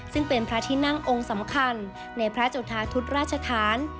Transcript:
ซึ่งเป็นพระที่นั่งองค์สำคัญในพระจุธาทุศราชธาน